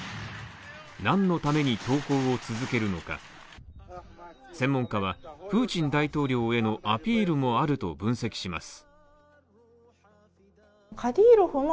何のために投稿を続けるのか、専門家はプーチン大統領へのアピールもあると分析します。